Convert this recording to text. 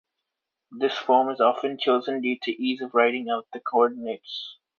This form is often chosen due to ease of writing out the coordinates.